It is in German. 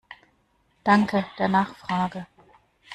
Danke der Nachfrage!